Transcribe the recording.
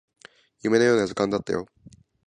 夢のような時間だったよ